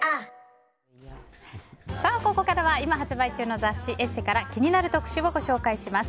ここからは今発売中の雑誌「ＥＳＳＥ」から気になる特集をご紹介します。